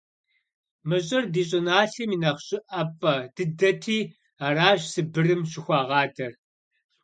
Мы щӏыр ди щӏыналъэм и нэхъ щӏыӏапӏэ дыдэти аращ Сыбырым щӏыхуагъэдар.